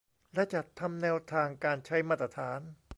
และจัดทำแนวทางการใช้มาตรฐาน